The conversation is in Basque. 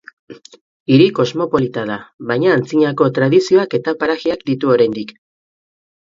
Hiri kosmopolita da, baina antzinako tradizioak eta parajeak ditu oraindik.